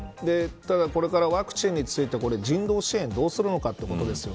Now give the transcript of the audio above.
ただ、これからワクチンについては人道支援をどうするのかということです。